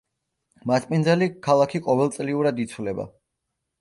მასპინძელი ქალაქი ყოველწლიურად იცვლება.